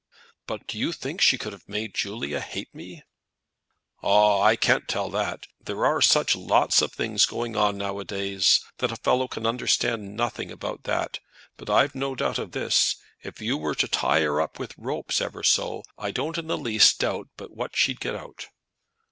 "But do you think she could have made Julia hate me?" "Ah, I can't tell that. There are such lots of things going on now a days that a fellow can understand nothing about! But I've no doubt of this, if you were to tie her up with ropes ever so, I don't in the least doubt but what she'd get out."